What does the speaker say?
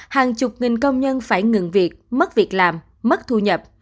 hàng chục nghìn công nhân phải ngừng việc mất việc làm mất thu nhập